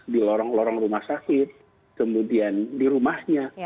di lorong lorong rumah sakit kemudian di rumahnya